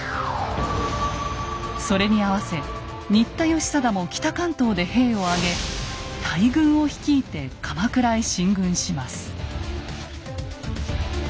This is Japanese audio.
それに合わせ新田義貞も北関東で兵を挙げ大軍を率いて鎌倉へ進軍します。